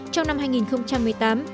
trong năm hai nghìn một mươi tám